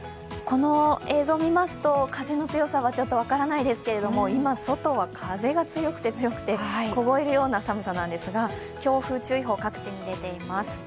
映像見ますと、風の強さは分かりませんけど今、外は風が強くて強くて凍えるような寒さなんですが、強風注意報、各地に出ています。